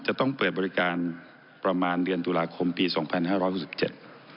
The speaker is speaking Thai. จะต้องเปิดบริการประมาณเดือนตุลาคมปีสองพันห้าร้อยหกสิบเจ็ด